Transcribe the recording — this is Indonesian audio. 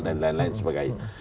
dan lain lain sebagainya